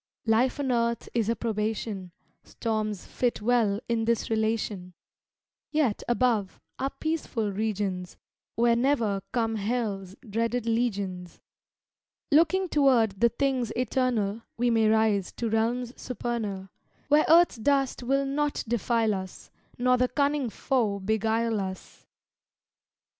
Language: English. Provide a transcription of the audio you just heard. Life on earth is a probation; Storms fit well in this relation; Yet, above, are peaceful regions, Where ne'er come hell's dreaded legions. Looking toward the things eternal, We may rise to realms supernal, Where earth's dust will not defile us Nor the cunning foe beguile us.